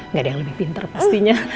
nggak ada yang lebih pinter pastinya